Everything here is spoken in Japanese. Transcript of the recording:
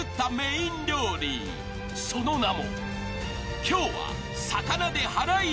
［その名も］